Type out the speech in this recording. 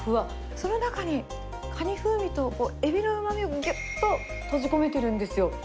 その中に、カニ風味とエビのうまみをぎゅっと閉じ込めてるんですよ。